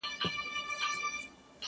ما در کړي د اوربشو انعامونه.!